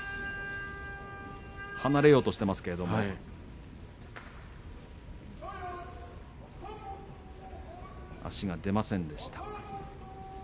離れようとしていますけれども足が出ませんでした。